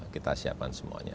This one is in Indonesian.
kita siapkan semuanya